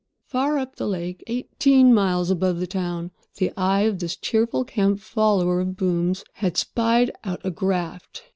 Far up the lake—eighteen miles above the town—the eye of this cheerful camp follower of booms had spied out a graft.